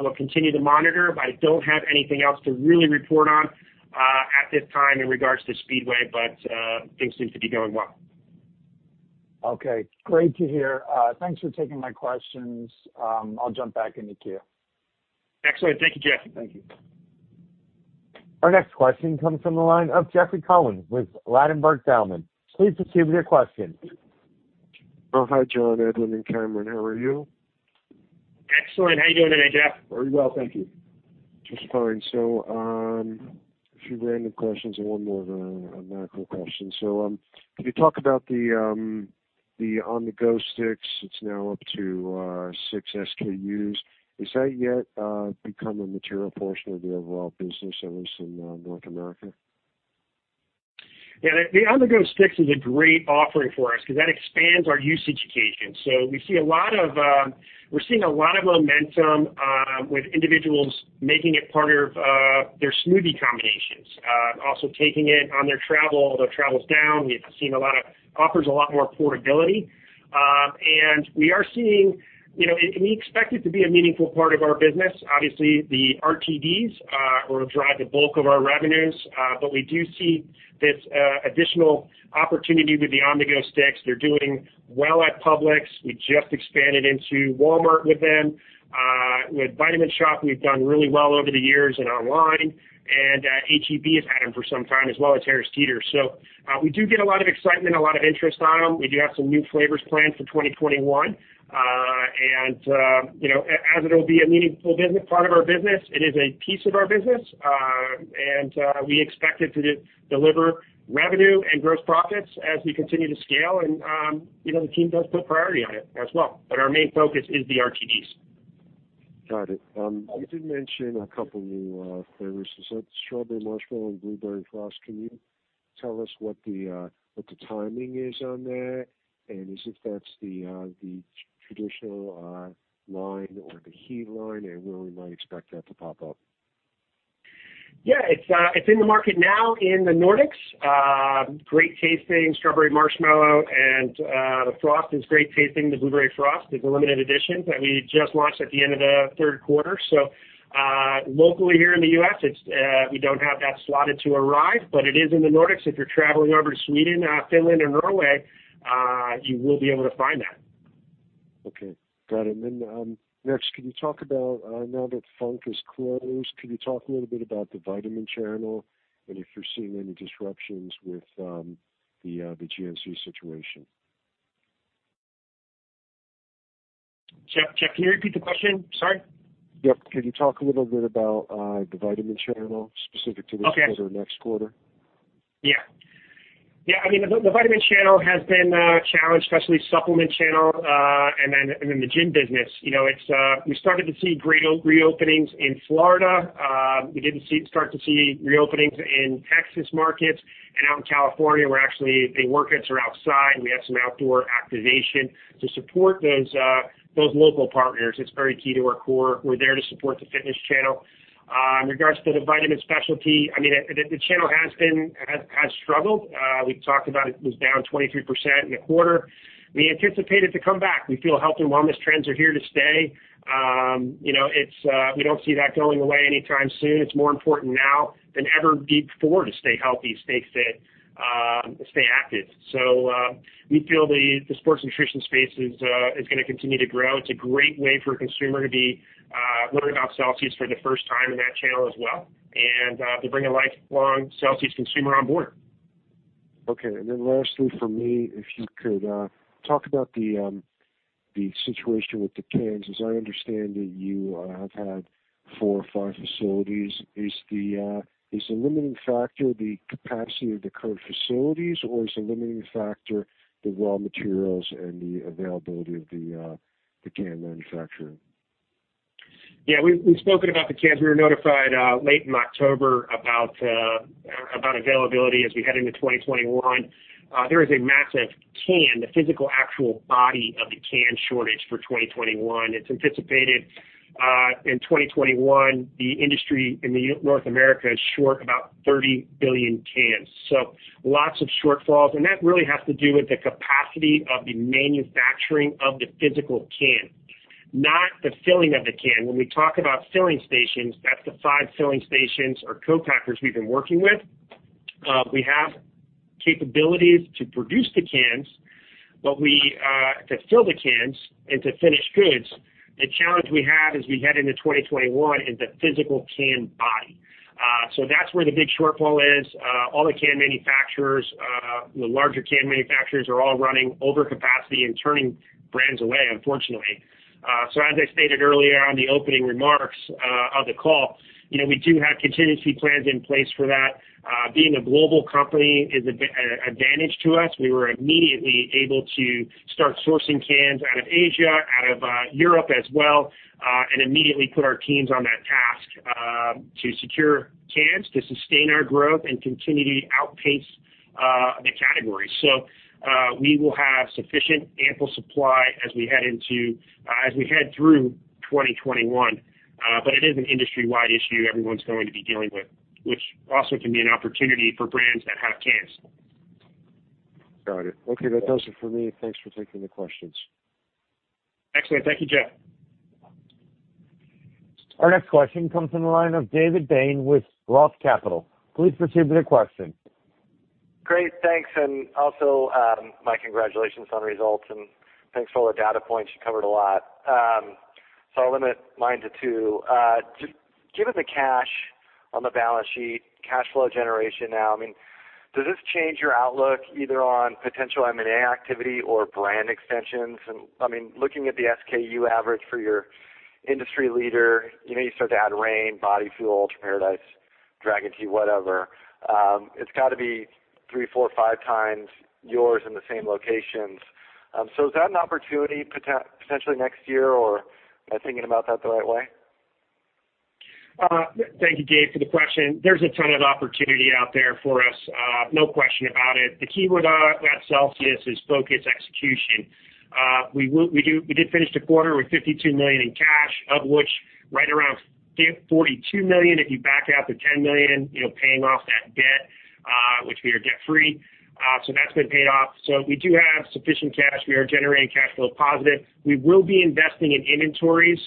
Speaker 3: We'll continue to monitor, but I don't have anything else to really report on at this time in regards to Speedway. Things seem to be going well.
Speaker 5: Okay. Great to hear. Thanks for taking my questions. I'll jump back into queue.
Speaker 3: Excellent. Thank you, Jeff.
Speaker 5: Thank you.
Speaker 1: Our next question comes from the line of Jeffrey Cohen with Ladenburg Thalmann. Please proceed with your question.
Speaker 6: Hi, John, Edwin, and Cameron. How are you?
Speaker 3: Excellent. How you doing today, Jeff?
Speaker 6: Very well, thank you. Just fine. A few random questions and one more of a macro question. Can you talk about the On-the-Go Sticks? It is now up to 6 SKUs. Has that yet become a material portion of the overall business at least in North America?
Speaker 3: Yeah, the On-the-Go Sticks is a great offering for us because that expands our use occasion. We're seeing a lot of momentum with individuals making it part of their smoothie combinations. Also taking it on their travel, although travel's down. It offers a lot more portability. We expect it to be a meaningful part of our business. Obviously, the RTDs will drive the bulk of our revenues, but we do see this additional opportunity with the On-the-Go Sticks. They're doing well at Publix. We just expanded into Walmart with them. With Vitamin Shoppe, we've done really well over the years and online. H-E-B has had them for some time as well as Harris Teeter. We do get a lot of excitement, a lot of interest on them. We do have some new flavors planned for 2021. As it'll be a meaningful part of our business, it is a piece of our business. We expect it to deliver revenue and gross profits as we continue to scale. The team does put priority on it as well, but our main focus is the RTDs.
Speaker 6: Got it. You did mention a couple new flavors. Is that Strawberry Marshmallow and Blueberry Frost? Can you tell us what the timing is on that and if that's the traditional line or the Heat line, and where we might expect that to pop up?
Speaker 3: Yeah. It's in the market now in the Nordics. Great tasting Strawberry Marshmallow and the frost is great tasting. The Blueberry Frost is a limited edition that we just launched at the end of the third quarter. Locally here in the U.S., we don't have that slotted to arrive, but it is in the Nordics. If you're traveling over to Sweden, Finland, and Norway, you will be able to find that.
Speaker 6: Okay, got it. Next, now that Func is closed, can you talk a little bit about the vitamin channel and if you're seeing any disruptions with the GNC situation?
Speaker 3: Jeff, can you repeat the question? Sorry.
Speaker 6: Yep. Can you talk a little bit about the vitamin channel specific to this quarter, next quarter?
Speaker 3: Yeah. The vitamin channel has been challenged, especially supplement channel, and then the gym business. We started to see re-openings in Florida. We didn't start to see re-openings in Texas markets and out in California, where actually the workouts are outside, and we have some outdoor activation to support those local partners. It's very key to our core. We're there to support the fitness channel. In regards to the vitamin specialty, the channel has struggled. We've talked about it was down 23% in the quarter. We anticipate it to come back. We feel health and wellness trends are here to stay. We don't see that going away anytime soon. It's more important now than ever before to stay healthy, stay fit, stay active. We feel the sports nutrition space is going to continue to grow. It's a great way for a consumer to be learning about Celsius for the first time in that channel as well, and to bring a lifelong Celsius consumer on board.
Speaker 6: Okay. Lastly from me, if you could talk about the situation with the cans. As I understand it, you have had four or five facilities. Is the limiting factor the capacity of the current facilities, or is the limiting factor the raw materials and the availability of the can manufacturer?
Speaker 3: We've spoken about the cans. We were notified late in October about availability as we head into 2021. There is a massive can, the physical, actual body of the can shortage for 2021. It's anticipated in 2021, the industry in North America is short about 30 billion cans, so lots of shortfalls. That really has to do with the capacity of the manufacturing of the physical can, not the filling of the can. When we talk about filling stations, that's the five filling stations or co-packers we've been working with. We have capabilities to produce the cans, but to fill the cans and to finish goods, the challenge we have as we head into 2021 is the physical can body. That's where the big shortfall is. All the can manufacturers, the larger can manufacturers are all running over capacity and turning brands away, unfortunately. As I stated earlier on the opening remarks of the call, we do have contingency plans in place for that. Being a global company is an advantage to us. We were immediately able to start sourcing cans out of Asia, out of Europe as well, and immediately put our teams on that task to secure cans to sustain our growth and continue to outpace the category. We will have sufficient ample supply as we head through 2021. It is an industry-wide issue everyone's going to be dealing with, which also can be an opportunity for brands that have cans.
Speaker 6: Got it. Okay, that does it for me. Thanks for taking the questions.
Speaker 3: Excellent. Thank you, Jeff.
Speaker 1: Our next question comes from the line of David Bain with ROTH Capital. Please proceed with your question.
Speaker 7: Great, thanks. Also, my congratulations on results, and thanks for all the data points. You covered a lot. I'll limit mine to two. Given the cash on the balance sheet, cash flow generation now, does this change your outlook either on potential M&A activity or brand extensions? Looking at the SKU average for your industry leader, you start to add Reign, Body Fuel, Ultra Paradise, Dragon Tea, whatever, it's got to be three, four, five times yours in the same locations. Is that an opportunity potentially next year, or am I thinking about that the right way?
Speaker 3: Thank you, Dave, for the question. There's a ton of opportunity out there for us, no question about it. The keyword at Celsius is focus execution. We did finish the quarter with $52 million in cash, of which right around $42 million, if you back out the $10 million, paying off that debt, which we are debt free. That's been paid off. We do have sufficient cash. We are generating cash flow positive. We will be investing in inventories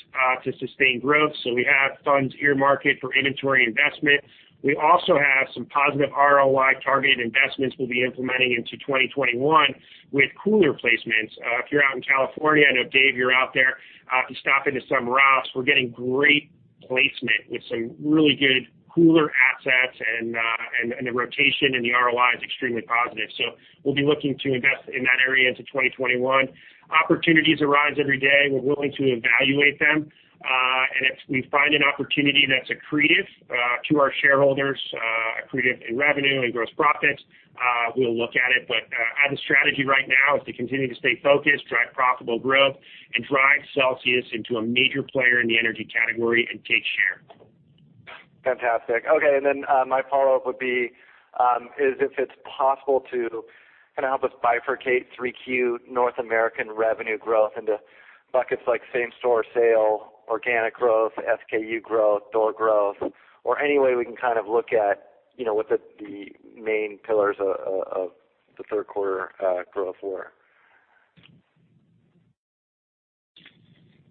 Speaker 3: to sustain growth. We have funds earmarked for inventory investment. We also have some positive ROI targeted investments we'll be implementing into 2021 with cooler placements. If you're out in California, I know Dave, you're out there, if you stop into some Ralphs, we're getting great placement with some really good cooler assets and the rotation and the ROI is extremely positive. We'll be looking to invest in that area into 2021. Opportunities arise every day. We're willing to evaluate them. If we find an opportunity that's accretive to our shareholders predictive in revenue and gross profits. We'll look at it. The strategy right now is to continue to stay focused, drive profitable growth, and drive Celsius into a major player in the energy category and take share.
Speaker 7: Fantastic. Okay, my follow-up would be, is if it's possible to kind of help us bifurcate 3Q North American revenue growth into buckets like same-store sale, organic growth, SKU growth, door growth, or any way we can look at what the main pillars of the third quarter growth were?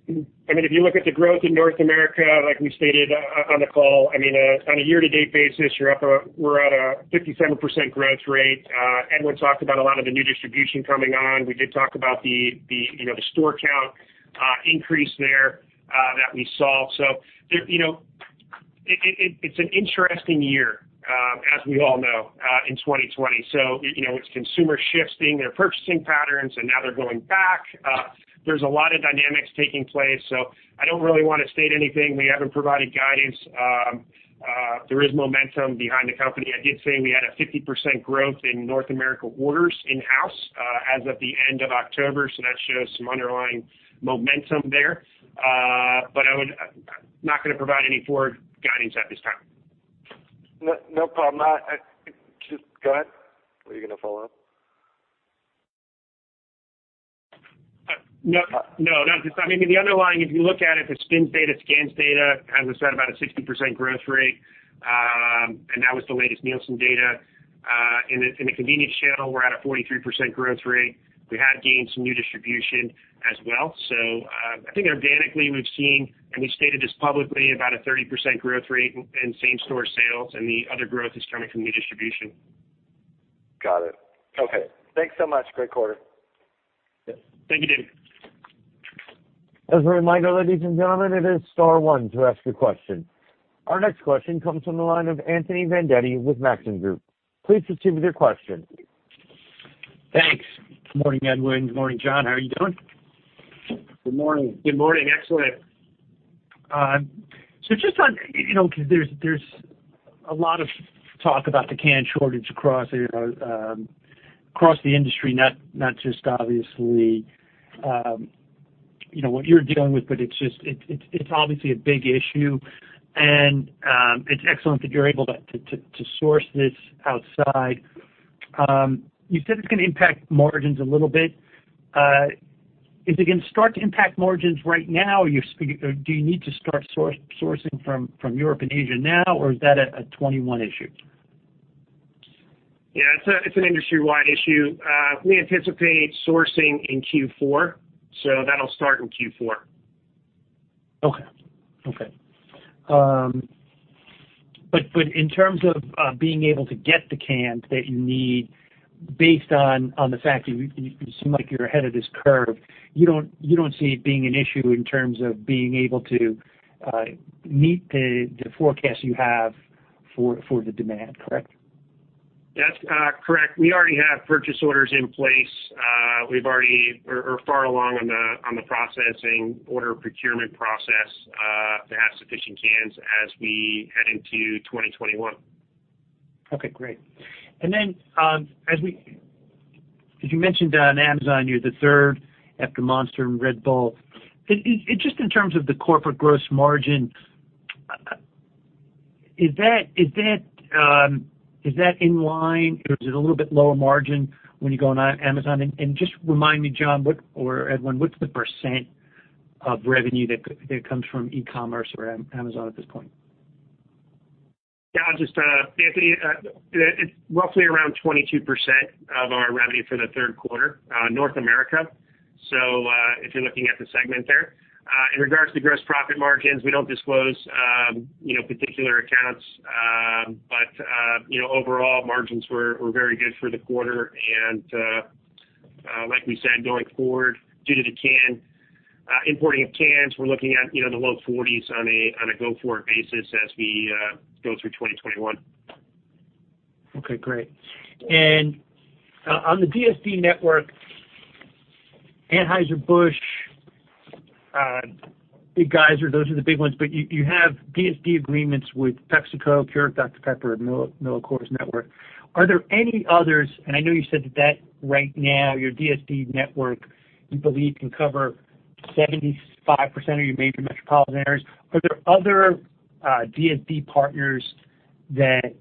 Speaker 3: If you look at the growth in North America, like we stated on the call, on a year-to-date basis, we're at a 57% growth rate. Edwin talked about a lot of the new distribution coming on. We did talk about the store count increase there that we saw. It's an interesting year, as we all know, in 2020. It's consumer shifting their purchasing patterns, and now they're going back. There's a lot of dynamics taking place, so I don't really want to state anything. We haven't provided guidance. There is momentum behind the company. I did say we had a 50% growth in North America orders in-house as of the end of October, so that shows some underlying momentum there. I'm not going to provide any forward guidance at this time.
Speaker 7: No problem. Just go ahead. Were you going to follow up?
Speaker 3: No. The underlying, if you look at it, the SPINS data, scans data, as we said, about a 60% growth rate. That was the latest Nielsen data. In the convenience channel, we're at a 43% growth rate. We have gained some new distribution as well. I think organically, we've seen, and we've stated this publicly, about a 30% growth rate in same-store sales. The other growth is coming from new distribution.
Speaker 7: Got it. Okay. Thanks so much. Great quarter.
Speaker 3: Yes. Thank you, David.
Speaker 1: As a reminder, ladies and gentlemen, it is star one to ask a question. Our next question comes from the line of Anthony Vendetti with Maxim Group. Please proceed with your question.
Speaker 8: Thanks. Good morning, Edwin. Good morning, John. How are you doing?
Speaker 3: Good morning.
Speaker 4: Good morning. Excellent.
Speaker 8: Just on, because there's a lot of talk about the can shortage across the industry, not just obviously what you're dealing with, but it's obviously a big issue, and it's excellent that you're able to source this outside. You said it's going to impact margins a little bit. Is it going to start to impact margins right now? Do you need to start sourcing from Europe and Asia now, or is that a 2021 issue?
Speaker 3: It's an industry-wide issue. We anticipate sourcing in Q4, so that'll start in Q4.
Speaker 8: Okay. In terms of being able to get the cans that you need based on the fact you seem like you're ahead of this curve, you don't see it being an issue in terms of being able to meet the forecast you have for the demand, correct?
Speaker 3: That's correct. We already have purchase orders in place. We're far along on the processing order procurement process to have sufficient cans as we head into 2021.
Speaker 8: Okay, great. As you mentioned on Amazon, you're the third after Monster and Red Bull. Just in terms of the corporate gross margin, is that in line, or is it a little bit lower margin when you go on Amazon? Just remind me, John or Edwin, what's the % of revenue that comes from e-commerce or Amazon at this point?
Speaker 3: Yeah, Anthony, it's roughly around 22% of our revenue for the third quarter, North America, if you're looking at the segment there. In regards to gross profit margins, we don't disclose particular accounts, but overall margins were very good for the quarter. Like we said, going forward, due to the importing of cans, we're looking at the low 40s% on a go-forward basis as we go through 2021.
Speaker 8: Okay, great. On the DSD network, Anheuser-Busch, those are the big ones, but you have DSD agreements with PepsiCo, Keurig Dr Pepper, and Molson Coors network. Are there any others? I know you said that right now, your DSD network, you believe, can cover 75% of your major metropolitan areas. Are there other DSD partners that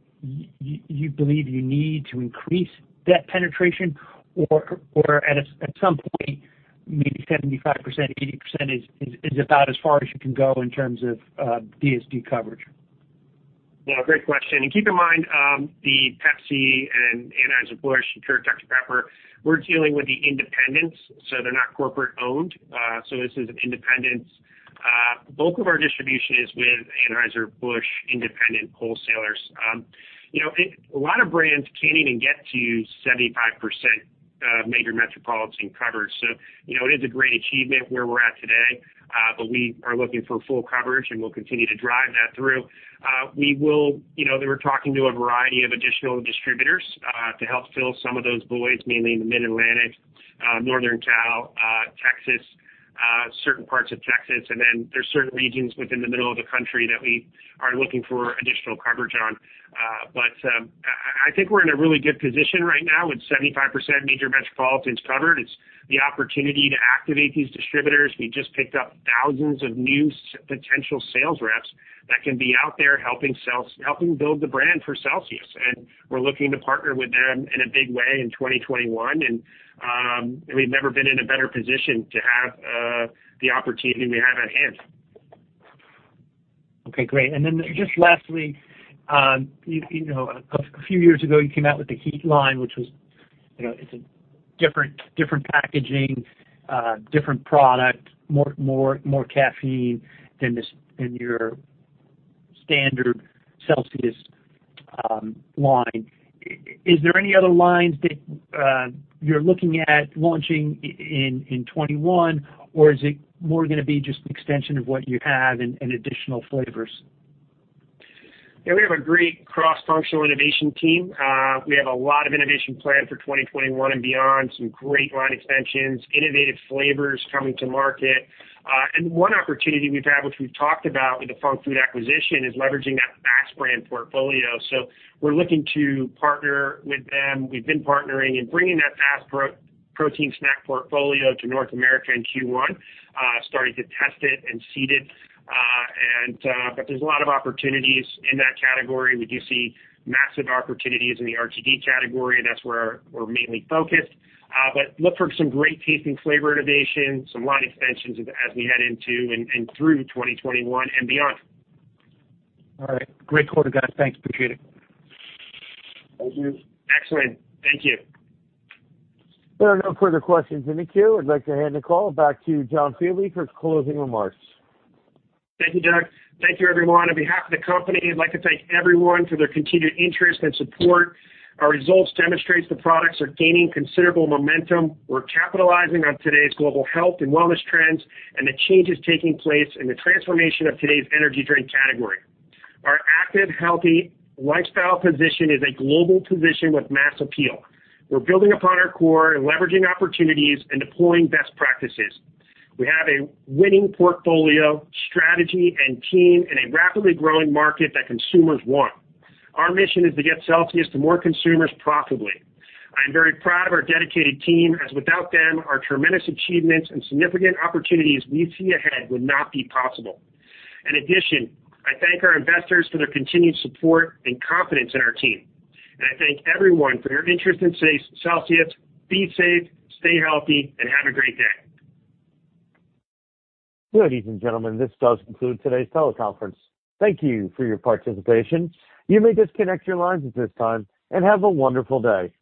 Speaker 8: you believe you need to increase that penetration? Or at some point, maybe 75%, 80% is about as far as you can go in terms of DSD coverage?
Speaker 3: Yeah. Great question. Keep in mind, the Pepsi and Anheuser-Busch, Keurig Dr Pepper, we're dealing with the independents, so they're not corporate-owned. This is independents. The bulk of our distribution is with Anheuser-Busch independent wholesalers. A lot of brands can't even get to 75% major metropolitan coverage. It is a great achievement where we're at today, but we are looking for full coverage, and we'll continue to drive that through. We were talking to a variety of additional distributors to help fill some of those voids, mainly in the Mid-Atlantic, Northern Cal, Texas, certain parts of Texas, and then there's certain regions within the middle of the country that we are looking for additional coverage on. I think we're in a really good position right now with 75% major metropolitan covered. It's the opportunity to activate these distributors. We just picked up thousands of new potential sales reps that can be out there helping build the brand for Celsius, and we're looking to partner with them in a big way in 2021. We've never been in a better position to have the opportunity we have at hand.
Speaker 8: Okay, great. Then just lastly, a few years ago, you came out with the Heat line, which was, it's a different packaging, different product, more caffeine than your standard Celsius line. Is there any other lines that you're looking at launching in 2021, or is it more going to be just an extension of what you have and additional flavors?
Speaker 3: We have a great cross-functional innovation team. We have a lot of innovation planned for 2021 and beyond. Some great line extensions, innovative flavors coming to market. One opportunity we've had, which we've talked about with the Func Food acquisition, is leveraging that FAST brand portfolio. We're looking to partner with them. We've been partnering and bringing that FAST protein snack portfolio to North America in Q1, starting to test it and seed it. There's a lot of opportunities in that category. We do see massive opportunities in the RTD category, and that's where we're mainly focused. Look for some great tasting flavor innovation, some line extensions as we head into and through 2021 and beyond.
Speaker 8: All right. Great quarter, guys. Thanks, appreciate it.
Speaker 3: Thank you. Excellent. Thank you.
Speaker 1: There are no further questions in the queue. I'd like to hand the call back to John Fieldly for closing remarks.
Speaker 3: Thank you, Doug. Thank you, everyone. On behalf of the company, I'd like to thank everyone for their continued interest and support. Our results demonstrates the products are gaining considerable momentum. We're capitalizing on today's global health and wellness trends and the changes taking place in the transformation of today's energy drink category. Our active, healthy lifestyle position is a global position with mass appeal. We're building upon our core and leveraging opportunities and deploying best practices. We have a winning portfolio, strategy, and team in a rapidly growing market that consumers want. Our mission is to get Celsius to more consumers profitably. I am very proud of our dedicated team, as without them, our tremendous achievements and significant opportunities we see ahead would not be possible. In addition, I thank our investors for their continued support and confidence in our team. I thank everyone for your interest in Celsius. Be safe, stay healthy, and have a great day.
Speaker 1: Ladies and gentlemen, this does conclude today's teleconference. Thank you for your participation. You may disconnect your lines at this time, and have a wonderful day.